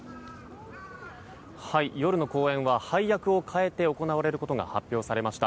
夜の公演は配役を変えて行われることが発表されました。